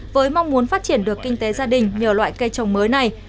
với mong muốn phát triển được kinh tế gia đình nhờ loại cây trồng mới này